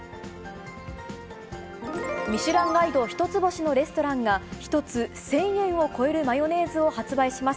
ミシュランガイド１つ星のレストランが、１つ１０００円を超えるマヨネーズを発売します。